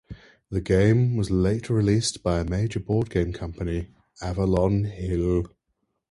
The game was later released by a major board game company, Avalon Hill.